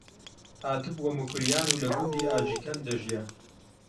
هاتبووە موکریان و لە گوندی ئاجیکەند دەژیا